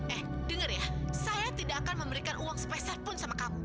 eh dengar ya saya tidak akan memberikan uang spesial pun sama kamu